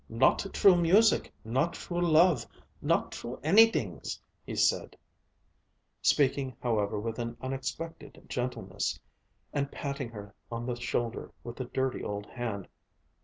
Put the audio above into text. "Not true music, not true love, not true anydings!" he said, speaking however with an unexpected gentleness, and patting her on the shoulder with a dirty old hand.